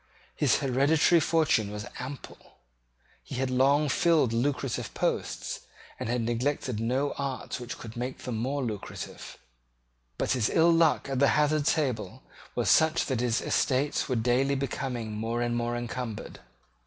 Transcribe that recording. His hereditary fortune was ample. He had long filled lucrative posts, and had neglected no art which could make them more lucrative: but his ill luck at the hazard table was such that his estates were daily becoming more and more encumbered.